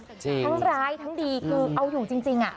ทั้งร้ายทั้งดีคือเอาอยู่จริง